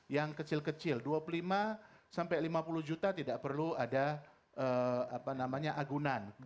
yang kecil kecil dua puluh lima sampai lima puluh juta tidak perlu ada agunan